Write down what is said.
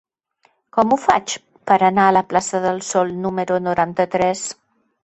Com ho faig per anar a la plaça del Sol número noranta-tres?